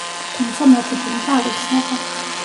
თუმცა მათი ბუნება არ იხსნება.